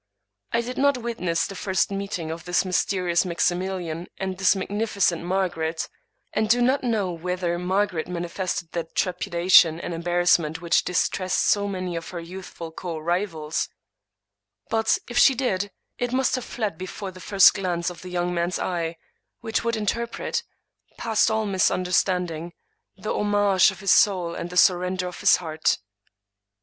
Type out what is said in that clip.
I did not witness the first meeting of this mys terious Maximilian and this magnificent Margaret, and do not know whether Margaret manifested that trepidation and embarrassment which distressed so many of her youth ful co rivals; but, if she did, it must have fled before the first glance of the young man's eye, which would interpret, past all misunderstanding, the homage of his soul and the surrender of his heart.